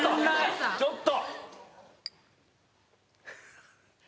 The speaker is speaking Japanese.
ちょっと！